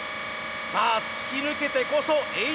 さあ突き抜けてこそＨ野。